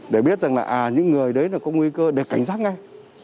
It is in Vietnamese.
để biết rằng là những người đấy là có nguy cơ để cảnh giác ngay